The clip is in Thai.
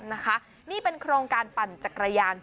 นี่เป็นโครงการปั่นจักรยาน